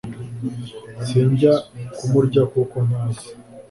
sinjya kumurya kuko mpaze